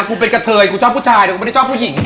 กูเป็นกะเทยกูชอบผู้ชายแต่กูไม่ได้ชอบผู้หญิง